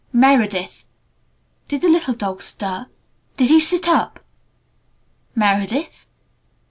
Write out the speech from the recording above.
"Meredith " (Did the little dog stir? Did he sit up?) "Meredith?